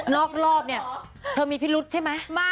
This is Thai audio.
รอบเนี่ยเธอมีพิรุษใช่ไหม